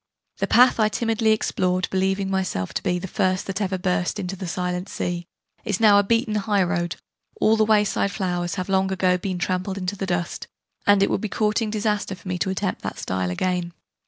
The path I timidly explored believing myself to be 'the first that ever burst into that silent sea' is now a beaten high road: all the way side flowers have long ago been trampled into the dust: and it would be courting disaster for me to attempt that style again.